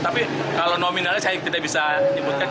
tapi kalau nominalnya saya tidak bisa nyebutkan